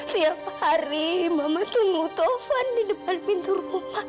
tiap hari mama tunggu taufan di depan pintu rumah